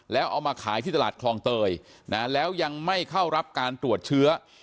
แล้วเอามาขายที่ตลาดคลองเตยแล้วยังไม่เข้ารับการตรวจเชื้อ